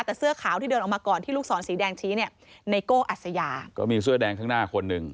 แต่เสื้อขาวที่เดินออกมาก่อนที่ลูกศรสีแดงชี้เนี่ยไนโก้อัศยาก็มีเสื้อแดงข้างหน้าคนหนึ่ง